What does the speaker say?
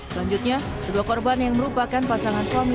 selanjutnya kedua korban yang merupakan pasangan suami